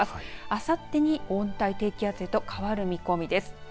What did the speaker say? あさってに温帯低気圧へと変わる見込みです。